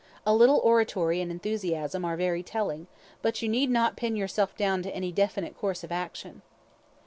A little oratory and enthusiasm are very telling, but you need not pin yourself down to any definite course of action."